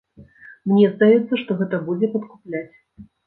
Мне здаецца, што гэта будзе падкупляць.